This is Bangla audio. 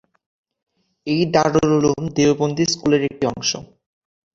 এই দারুল উলূম দেওবন্দী স্কুলের একটি অংশ।